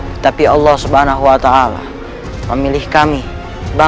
tetapi allah b ditukar untuk menjadi harus di luar